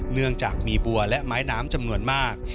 เนื่องจากมีบัวและไม้น้ำจำนวนมาก